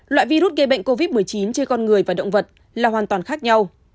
loại virus gây bệnh covid một mươi chín trên con người và động vật là hoàn toàn khác nhau